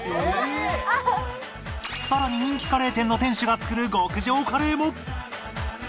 さらに人気カレー店の店主が作る極上カレーも！